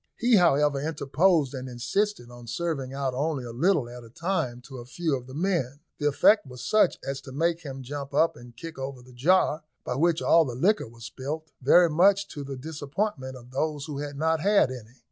He, however, interposed, and insisted on serving out only a little at a time to a few of the men. The effect was such as to make him jump up and kick over the jar, by which all the liquor was spilt, very much to the disappointment of those who had not had any.